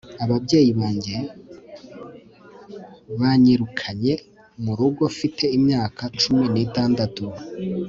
Ababyeyi banjye banyirukanye mu rugo mfite imyaka cumi nitandatu